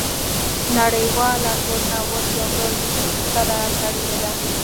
نړیواله ټولنه اوس یو بل سره تړلې ده